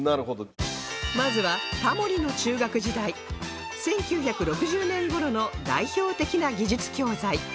まずはタモリの中学時代１９６０年頃の代表的な技術教材